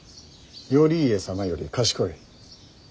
頼家様より賢い。